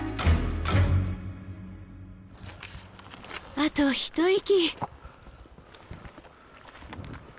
あと一息。